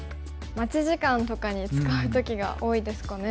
待ち時間とかに使う時が多いですかね。